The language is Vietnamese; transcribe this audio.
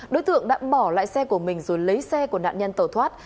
đối tượng đã bỏ lại xe của mình rồi lấy xe của nạn nhân tẩu thoát